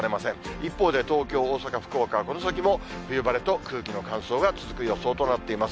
一方で東京、大阪、福岡はこの先も冬晴れと空気の乾燥が続く予想となっています。